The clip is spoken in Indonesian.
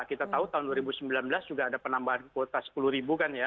kita tahu tahun dua ribu sembilan belas juga ada penambahan kuota sepuluh ribu kan ya